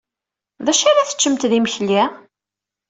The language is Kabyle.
D acu ara teččemt d imekli?